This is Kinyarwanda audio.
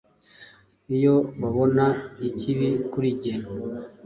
iyo babona ikibi kuri jye.